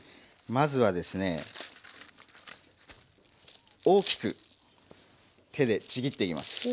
まずはですね大きく手でちぎっていきます。